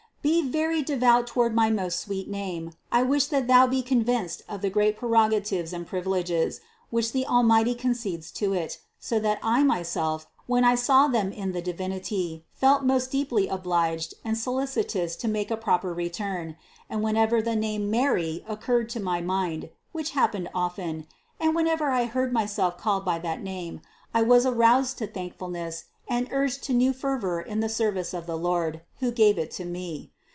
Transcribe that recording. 344. Be very devout toward my most sweet name. I wish that thou be convinced of the great prerogatives and privileges, which the Almighty concedes to it, so that I myself, when I saw them in the Divinity, felt most deeply obliged and solicitous to make a proper return; and whenever the name MARY occurred to my mind (which happened often) and whenever I heard myself called by that name, I was aroused to thankfulness and urged to new fervor in the service of the Lord, who gave it to me.